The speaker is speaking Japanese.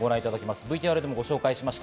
ＶＴＲでもご紹介しました。